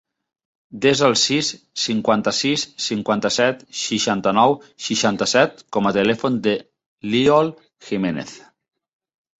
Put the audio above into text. Desa el sis, cinquanta-sis, cinquanta-set, seixanta-nou, seixanta-set com a telèfon de l'Iol Jimenez.